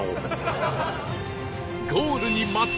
ゴールに待つ